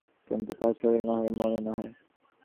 কিন্তু তাহা শরীর নহে, মনও নহে।